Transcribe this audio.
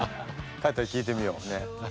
帰ったらきいてみようねっ。